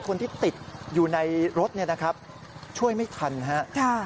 คนที่ติดอยู่ในรถเนี่ยนะครับช่วยไม่ทันฮะ